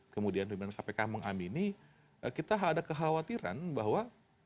kemudian pimpinan kpk mengamini kita ada kekhawatiran bahwa